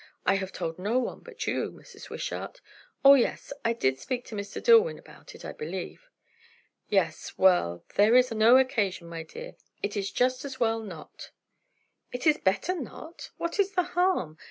"I have told no one but you, Mrs. Wishart. O yes! I did speak to Mr. Dillwyn about it, I believe." "Yes. Well, there is no occasion, my dear. It is just as well not." "Is it better not? What is the harm?